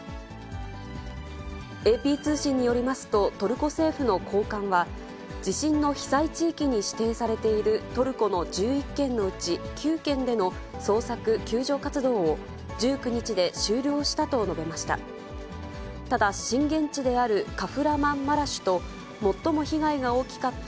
ＡＰ通信によりますと、トルコ政府の高官は、地震の被災地域に指定されているトルコの１１県のうち９県での捜索・救助活動を、１９日で終了したと述べました。